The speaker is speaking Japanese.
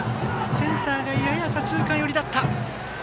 センターがやや左中間寄りだった。